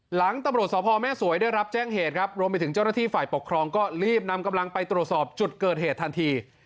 หลังตำรวจสพแม่สวยได้รับแจ้งเหตุครับรวมไปถึงเจ้าหน้าที่ฝ่ายปกครองก็รีบนำกำลังไปตรวจสอบจุดเกิดเหตุทันที